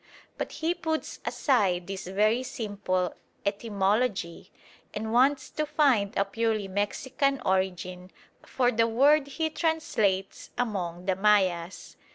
But he puts aside this very simple etymology, and wants to find a purely Mexican origin for the word he translates "among the Mayas."